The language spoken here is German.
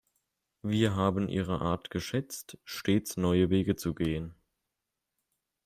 Wir haben ihre Art geschätzt, stets neue Wege zu gehen.